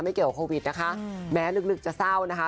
เกี่ยวกับโควิดนะคะแม้ลึกจะเศร้านะคะ